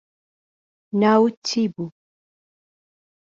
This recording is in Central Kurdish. ناوت چی بوو